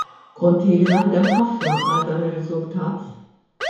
Kont ili naħdem ħafna għal dan ir-riżultat.